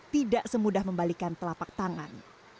tidak semudah membalikan telapak tangan